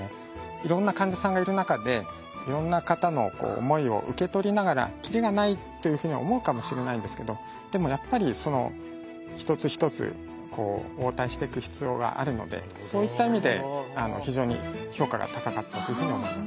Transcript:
いろんな患者さんがいる中でいろんな方の思いを受け取りながらキリがないというふうに思うかもしれないんですけどでもやっぱりその１つ１つ応対していく必要があるのでそういった意味で非常に評価が高かったというふうに思います。